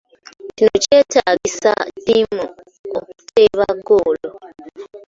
Kino kyetaagisa ttiimu okuteeba goal.